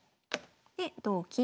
で同金。